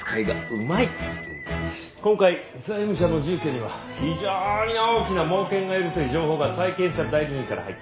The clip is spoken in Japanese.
今回債務者の住居には非常に大きな猛犬がいるという情報が債権者代理人から入った。